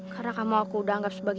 hati hati tuhan putri